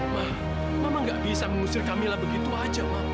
ma mama gak bisa nungshir kamila begitu aja ma